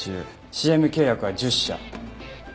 ＣＭ契約は１０社。